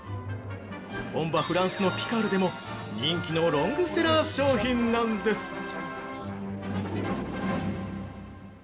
本場・フランスのピカールでも人気のロングセラー商品なんです。